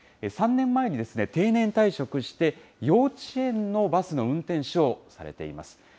３年前に、定年退職して、幼稚園のバスの運転手をされています。